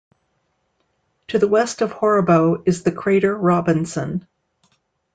To the west of Horrebow is the crater Robinson.